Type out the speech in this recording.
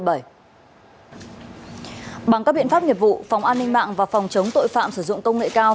bằng các biện pháp nghiệp vụ phòng an ninh mạng và phòng chống tội phạm sử dụng công nghệ cao